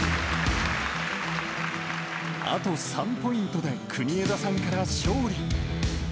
あと３ポイントで国枝さんから勝利。